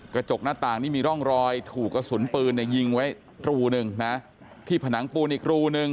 กระจกหน้าต่างนี่มีร่องรอยถูกกระสุนปืนเนี่ยยิงไว้รูหนึ่งนะที่ผนังปูนอีกรูหนึ่ง